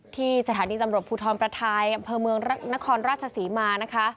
ที่สถานีตำรวจภูทรประทายอำเภอเมืองนครราชศรีมานะคะ